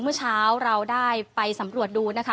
เมื่อเช้าเราได้ไปสำรวจดูนะคะ